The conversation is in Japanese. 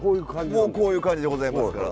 もうこういう感じでございますから。